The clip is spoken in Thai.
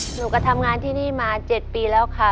หนูก็ทำงานที่นี่มา๗ปีแล้วค่ะ